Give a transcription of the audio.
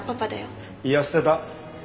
いや捨てた。